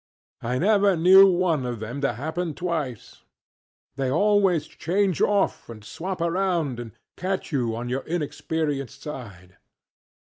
I never knew one of them to happen twice. They always change off and swap around and catch you on your inexperienced side.